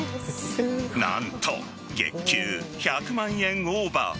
何と、月給１００万円オーバー。